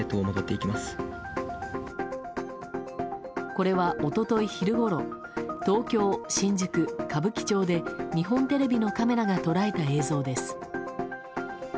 これは一昨日昼ごろ、東京新宿・歌舞伎町で日本テレビのカメラが捉えた映像です。